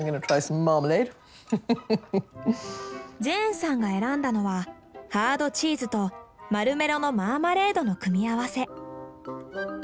ジェーンさんが選んだのはハードチーズとマルメロのマーマレードの組み合わせ。